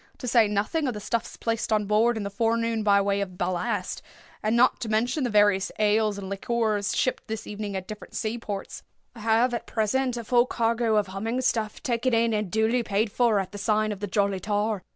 To say nothing of the stuffs placed on board in the forenoon by way of ballast, and not to mention the various ales and liqueurs shipped this evening at different sea ports, I have, at present, a full cargo of 'humming stuff' taken in and duly paid for at the sign of the 'Jolly Tar.